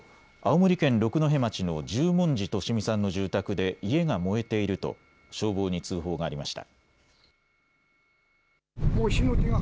きょう午前１時ごろ、青森県六戸町の十文字利美さんの住宅で家が燃えていると消防に通報がありました。